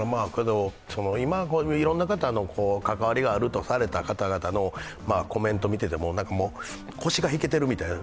今、いろんな方の関わりがあるとされた方々のコメントを見ていても腰が引けているみたいな。